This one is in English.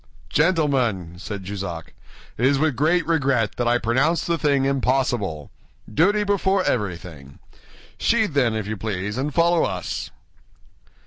"Gentlemen," said Jussac, "it is with great regret that I pronounce the thing impossible. Duty before everything. Sheathe, then, if you please, and follow us."